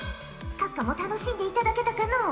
閣下も楽しんでいただけたかのう？